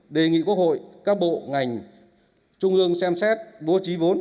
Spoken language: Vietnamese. đề nghị quốc hội các bộ ngành trung ương xem xét bố trí vốn